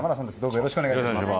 よろしくお願いします。